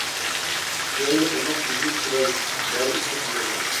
چىرايلىق، ئوماق، سۈزۈك چىراي، مەرى ئىسسىق دېگەندەك.